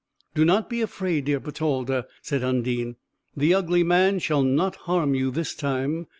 "Do not be afraid, dear Bertalda," said Undine, "the ugly man shall not harm you this time."